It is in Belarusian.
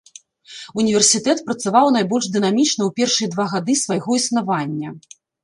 Універсітэт працаваў найбольш дынамічна ў першыя два гады свайго існавання.